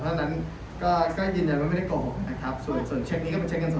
เมื่อสักครู่คุณศรีร้านได้มีการเหมือนบอกว่าประสบการณ์ตัวเองก็เคยตาบอดมาก่อนนะคะ